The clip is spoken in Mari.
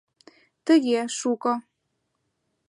— Тыге, шуко.